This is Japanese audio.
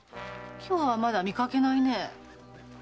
今日はまだ見かけないねえ。